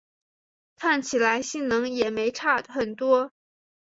看起来性能也没差很多